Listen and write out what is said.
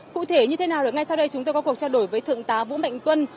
cụ thể như thế nào là ngay sau đây chúng tôi có cuộc trao đổi với thượng tá vũ mạnh tuân